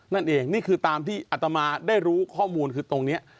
นี่คือตามที่อัตมาได้รู้ข้อมูลคือตรงนี้